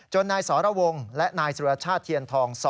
นายสรวงและนายสุรชาติเทียนทอง๒